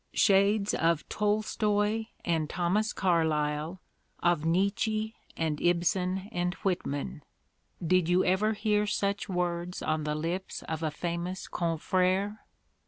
Shades of Tolstoy and Thomas Carlyle, of Nietzsche and Ibsen and Whitman, did you ever hear such words on the lips of a famous confrere